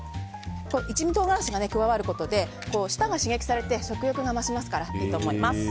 一味唐辛子が加わることで舌が刺激されて食欲が増しますからいいと思います。